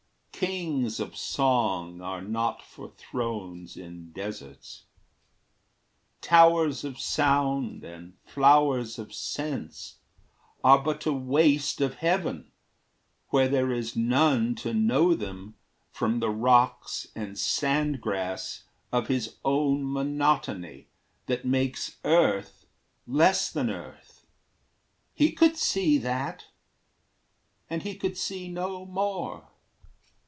Kings of song Are not for thrones in deserts. Towers of sound And flowers of sense are but a waste of heaven Where there is none to know them from the rocks And sand grass of his own monotony That makes earth less than earth. He could see that, And he could see no more.